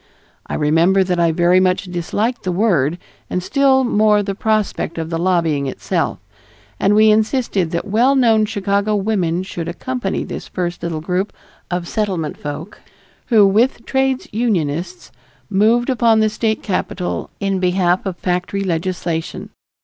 I remember that I very much disliked the word and still more the prospect of the lobbying itself, and we insisted that well known Chicago women should accompany this first little group of Settlement folk who with trades unionists moved upon the state capitol in behalf of factory legislation.